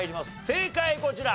正解こちら！